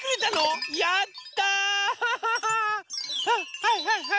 はいはいはい。